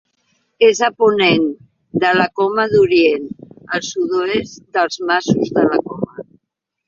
És a ponent de la Coma d'Orient, al sud-oest dels Masos de la Coma.